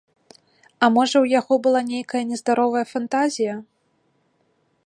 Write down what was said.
А, можа, у яго была нейкая нездаровая фантазія?